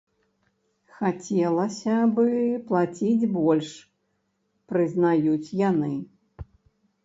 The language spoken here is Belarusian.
Хацелася бы плаціць больш, прызнаюць яны.